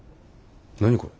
何これ？